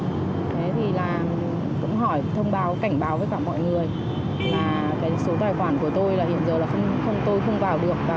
thế thì là cũng hỏi thông báo cảnh báo với cả mọi người là cái số tài khoản của tôi là hiện giờ là tôi không vào được